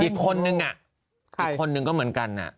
อีกคนนึงอีกคนนึงก็เหมือนกัน